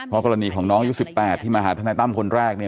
เพราะกรณีของน้องยุค๑๘ที่มาหาทนายตั้มคนแรกเนี่ย